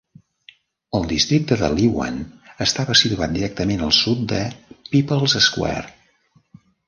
El districte de Luwan estava situat directament al sud de People"s Square.